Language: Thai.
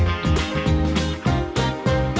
งั้นเราหัน